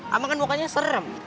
amang kan mukanya serem